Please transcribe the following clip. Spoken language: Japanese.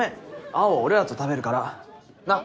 青は俺らと食べるからなっ？